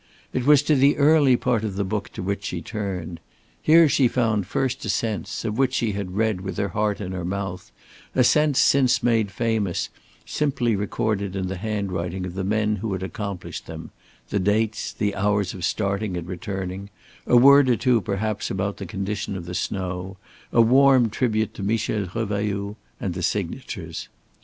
It was to the early part of the book to which she turned. Here she found first ascents of which she had read with her heart in her mouth, ascents since made famous, simply recorded in the handwriting of the men who had accomplished them the dates, the hours of starting and returning, a word or two perhaps about the condition of the snow, a warm tribute to Michel Revailloud and the signatures.